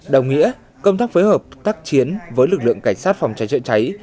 đồng nghĩa công tác phối hợp tác chiến với lực lượng cảnh sát phòng cháy chữa cháy